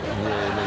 もう。